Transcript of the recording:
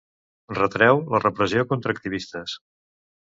Retreu la repressió contra activistes.